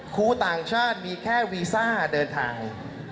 ครูต่างชาติมีแค่วีซ่าเดินทาง